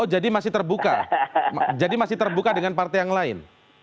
oh jadi masih terbuka jadi masih terbuka dengan partai yang lain